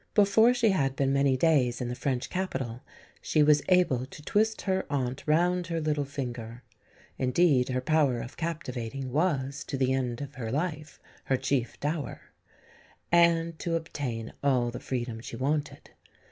Before she had been many days in the French capital she was able to twist her aunt round her little finger indeed her power of captivating was, to the end of her life, her chief dower and to obtain all the freedom she wanted.